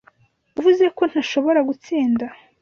Wavuze ko ntashobora gutsinda?